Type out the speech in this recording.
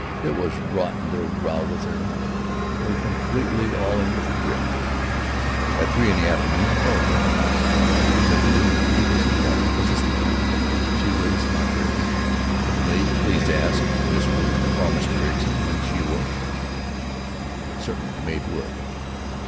it was rotten to row with her, her completely all in with the grippe." At three in the afternoon he telephoned to her house. "Miss Ruth," he was informed, "was asleep; she was not very well." Would the maid please ask Miss Ruth to call Mr. Ericson when she woke? Certainly the maid would.